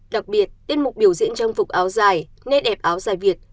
đặc biệt tiết mục biểu diễn trang phục áo dài nét đẹp áo dài việt